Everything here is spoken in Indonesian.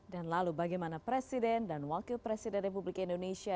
dan lalu bagaimana presiden dan wakil presiden republik indonesia